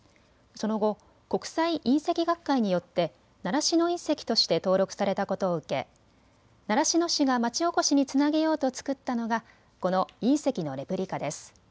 その後、国際隕石学会によって習志野隕石として登録されたことを受け習志野市が町おこしにつなげようと作ったのがこの隕石のレプリカです。